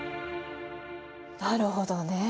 なるほどね。